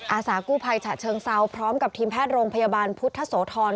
อาสากู้ภัยฉะเชิงเซาพร้อมกับทีมแพทย์โรงพยาบาลพุทธโสธร